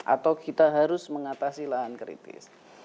atau kita harus mengatasi lahan kritis